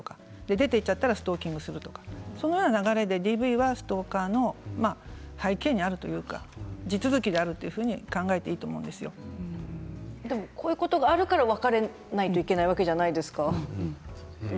出ていったらストーキングをするとかそのような流れでＤＶはストーカー行為の背景にある地続きであるとこういうことがあるから別れなきゃないじゃないですか。